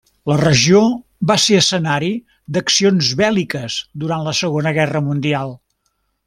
La regió va ser escenari d'accions bèl·liques durant la Segona Guerra Mundial.